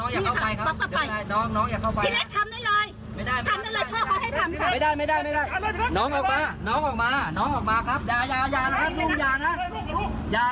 อย่านะอย่านะขน้องน้องออกมาครับไปออกมาครับไม่เป็นไร